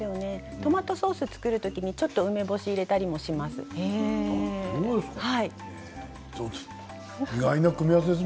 トマトソースを作るときにちょっと梅干しを入れたりします。